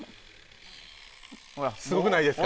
すごくないですか？